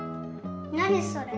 何それ？